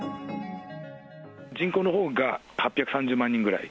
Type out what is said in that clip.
人口のほうが８３０万人ぐらい。